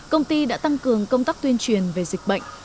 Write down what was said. công ty đã tăng cường công tác tuyên truyền về dịch bệnh